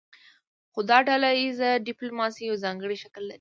خو دا ډله ایزه ډیپلوماسي یو ځانګړی شکل لري